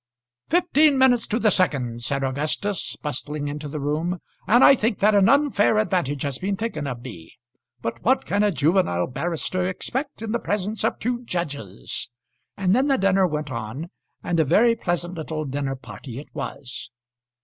"Fifteen minutes to the second," said Augustus, bustling into the room, "and I think that an unfair advantage has been taken of me. But what can a juvenile barrister expect in the presence of two judges?" And then the dinner went on, and a very pleasant little dinner party it was.